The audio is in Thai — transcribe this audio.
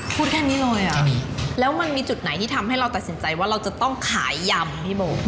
พูดแค่นี้เลยอ่ะแล้วมันมีจุดไหนที่ทำให้เราตัดสินใจว่าเราจะต้องขายยำพี่โบ